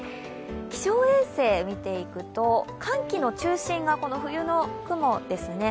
気象衛星を見ていくと、寒気の中心が冬の雲ですね。